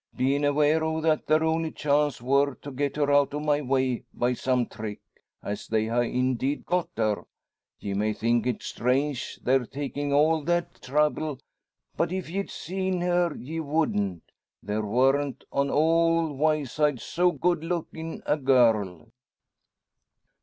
Bein' aware o' that their only chance wor to get her out o' my way by some trick as they ha' indeed got her. Ye may think it strange their takin' all that trouble; but if ye'd seen her ye wouldn't. There worn't on all Wyeside so good lookin' a girl!"